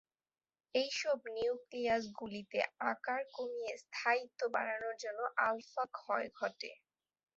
এই সব নিউক্লিয়াস গুলিতে আকার কমিয়ে স্থায়িত্ব বাড়ানোর জন্য আলফা ক্ষয় ঘটে।